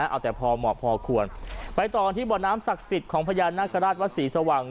เอาแต่พอเหมาะพอควรไปต่อที่บ่อน้ำศักดิ์สิทธิ์ของพญานาคาราชวัดศรีสว่าง